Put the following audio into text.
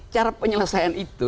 cara penyelesaian itu